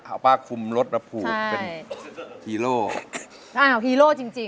เอาผ้าคุมรสระผูกเป็นฮีร่อ